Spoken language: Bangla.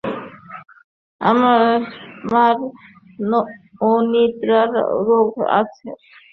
আমার মার অনিদ্রা রোগ আছে।